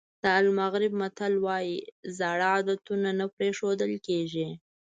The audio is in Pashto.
د المغرب متل وایي زاړه عادتونه نه پرېښودل کېږي.